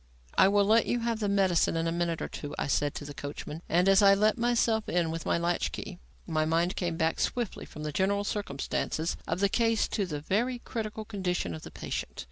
"I will let you have the medicine in a minute or two," I said to the coachman; and, as I let myself in with my latch key, my mind came back swiftly from the general circumstances of the case to the very critical condition of the patient.